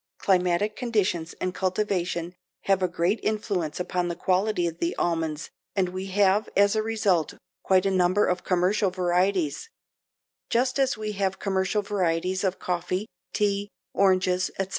Climatic conditions and cultivation have a great influence upon the quality of the almonds and we have as a result quite a number of commercial varieties, just as we have commercial varieties of coffee, tea, oranges, etc.